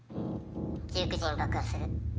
１９時に爆破する。